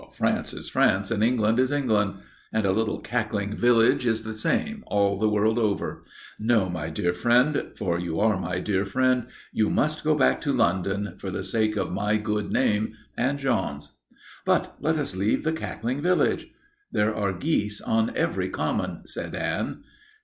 "France is France and England is England." "And a little cackling village is the same all the world over. No, my dear friend for you are my dear friend you must go back to London, for the sake of my good name and Jean's." "But let us leave the cackling village." "There are geese on every common," said Anne.